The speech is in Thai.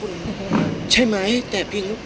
พี่อัดมาสองวันไม่มีใครรู้หรอก